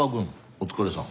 お疲れさん。